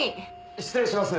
失礼します。